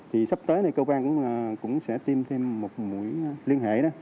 thì sắp tới này cơ quan cũng sẽ tiêm thêm một mũi liên hệ đó